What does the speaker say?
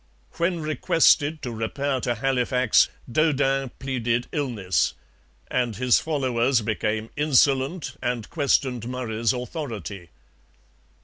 When requested to repair to Halifax, Daudin pleaded illness; and his followers became insolent, and questioned Murray's authority.